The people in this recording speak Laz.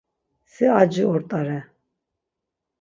Si aci ort̆are.